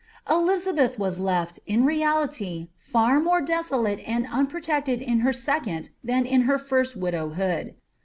Elizabeth was leA, in reality, &r more desolate and unprotected in her second than in her first widowhood.